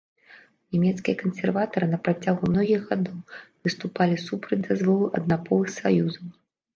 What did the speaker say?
Нямецкія кансерватары на працягу многіх гадоў выступалі супраць дазволу аднаполых саюзаў.